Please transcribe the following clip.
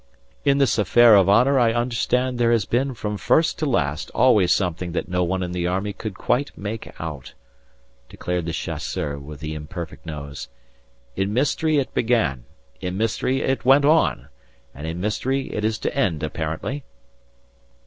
"In this affair of honour I understand there has been from first to last always something that no one in the army could quite make out," declared the chasseur with the imperfect nose. "In mystery it began, in mystery it went on, and in mystery it is to end apparently...."